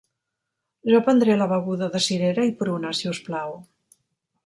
Jo prendré la beguda de cirera y pruna, si us plau.